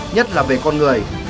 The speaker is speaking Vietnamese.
nhất là về con người